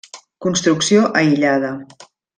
Construcció aïllada.